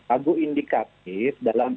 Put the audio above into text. aku indikatif dalam